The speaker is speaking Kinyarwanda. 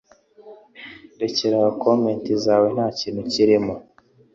Rekeraho comment zawe ntkintu kirimo